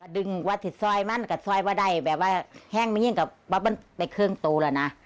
ดึงว่าที่ซ่อยมันก็ซ่อยว่าได้แบบว่าแห้งไม่เยี่ยมกับว่ามันไปเครื่องโตแล้วนะ